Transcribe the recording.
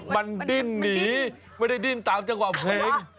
มันดิ้นหนีไม่ได้ดิ้นตามจังหวะเพลง